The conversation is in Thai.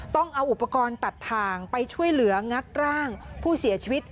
ต้องเอาอุปกรณ์ตัดทางไปช่วยเหลืองัดร่างผู้เสียชีวิต